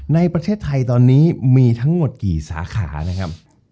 ในประเทศไทยตอนนี้มีทั้งหมดกี่สาขานะครับ